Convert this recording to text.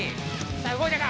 さあうごいたか？